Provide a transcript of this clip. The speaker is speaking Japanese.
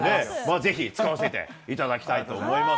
ぜひ、使わせていただきたいと思います。